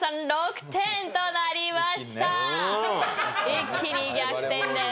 一気に逆転です。